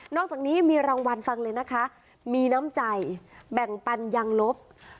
อกจากนี้มีรางวัลฟังเลยนะคะมีน้ำใจแบ่งปันยังลบ